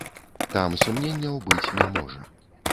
Там сумненняў быць не можа.